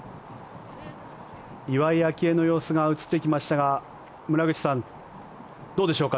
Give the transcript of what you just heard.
岩井明愛の様子が映ってきましたが村口さん、どうでしょうか。